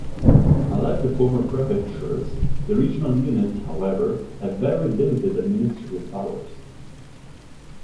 Unlike the former prefectures, the regional units however have very limited administrative powers.